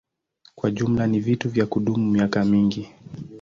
Kwa jumla ni vitu vya kudumu miaka mingi.